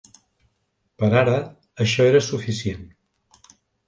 Per ara, això era suficient.